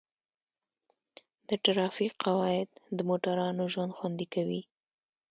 د ټرافیک قواعد د موټروانو ژوند خوندي کوي.